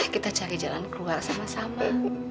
kita cari jalan keluar sama sama